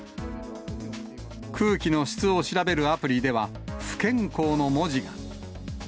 空気の質を調べるアプリでは、不健康の文字が。